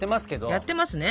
やってますね。